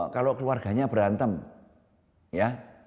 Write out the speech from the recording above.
kalau keluarganya berantem ya